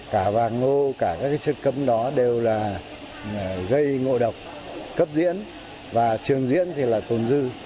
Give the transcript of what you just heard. cả vàng ngô cả các cái chất cấm đó đều là gây ngộ độc cấp diễn và trường diễn thì là tồn dư